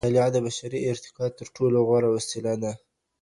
مطالعه د بشري ارتقا تر ټولو غوره وسيله ده.